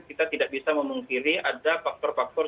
kita tidak bisa memungkiri ada faktor faktor